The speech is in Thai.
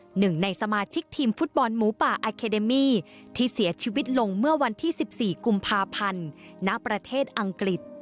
หนึ่งในสมาชิกทีมฟุตบอลหมูป่าอาเคเดมี่ที่เสียชีวิตลงเมื่อวันที่๑๔กุมภาพันธ์ณประเทศอังกฤษ